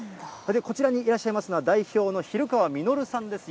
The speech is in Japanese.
こちらにいらっしゃいますのは、代表の比留川実さんです。